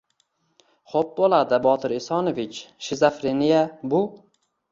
— Xo‘p bo‘ladi, Botir Esonovich. Shizofreniya — bu